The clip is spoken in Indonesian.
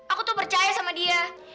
aku tuh percaya sama dia